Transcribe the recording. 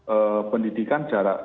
ee pendidikan jarak